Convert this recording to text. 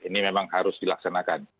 ini memang harus dilaksanakan